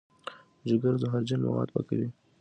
جګر زهرجن مواد پاکوي.